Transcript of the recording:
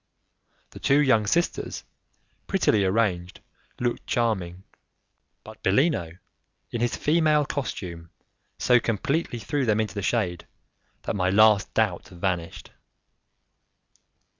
The two young sisters, prettily arranged, looked charming, but Bellino, in his female costume, so completely threw them into the shade, that my last doubt vanished.